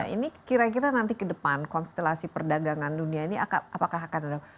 ini kira kira nanti ke depan konstelasi perdagangan dunia ini apakah akan ada